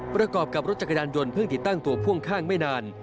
ประกอบกับรถจักรยานยนต์เพิ่งติดตั้งตัวพ่วงข้างไม่นาน